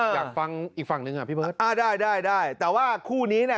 อยากฟังอีกฝั่งนึงอ่ะพี่เผิศอ่าได้ได้ได้แต่ว่าคู่นี้น่ะ